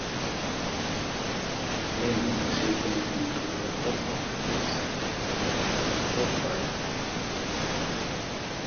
Leno posierte mit dem Motorrad auch auf der Titelseite der Zeitschrift "Hot Bike Magazine".